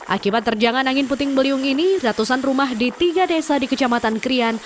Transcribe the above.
akibat terjangan angin puting beliung ini ratusan rumah di tiga desa di kecamatan krian